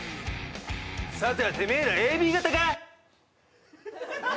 さてはてめえらＡＢ型か？